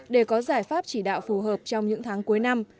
để có giải pháp chỉ đạo phù hợp trong những tháng cuối năm